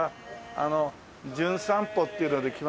あの『じゅん散歩』っていうので来ました